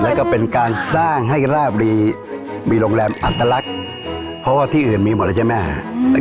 แล้วก็เป็นการสร้างให้ราบรีมีโรงแรมอัตลักษณ์เพราะว่าที่อื่นมีหมดแล้วใช่ไหมฮะ